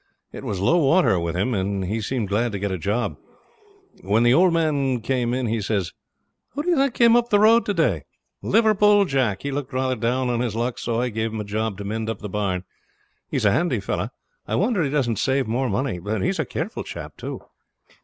It was low water with him, and he seemed glad to get a job. When the old man came in he says, 'Who do you think came up the road to day? Liverpool Jack. He looked rather down on his luck, so I gave him a job to mend up the barn. He's a handy fellow. I wonder he doesn't save more money. He's a careful chap, too.'